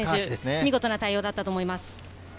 見事な対応だったと思います。